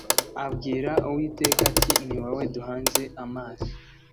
abwira Uwiteka ati Ni wowe duhanze amaso